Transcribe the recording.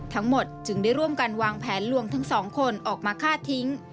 ทั้งหมดจึงได้ร่วมกันวางแผนลวงทั้งสองคนออกมาฆ่าทิ้ง